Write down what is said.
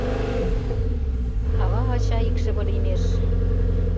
Ава-ача икшыве лиймеш